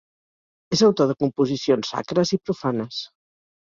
És autor de composicions sacres i profanes.